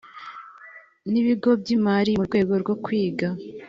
n ibigo by imari mu rwego rwo kwiga